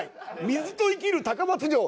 水と生きる高松城。